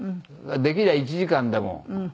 できれば１時間でも。